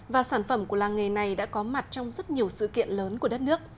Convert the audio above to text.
và sản phẩm của làng nghề này đã có mặt trong rất nhiều sự kiện lớn của đất nước